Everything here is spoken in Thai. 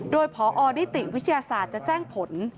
โดยพอนิติวิทยาศาสตร์จะแจ้งผล